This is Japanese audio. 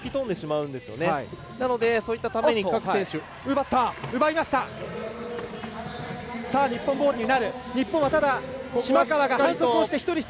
なので、そういったために各選手固定しています。